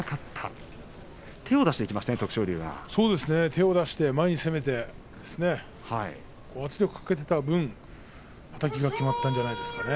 手を出して前に攻めて圧力をかけていた分はたきが決まったんじゃないですかね。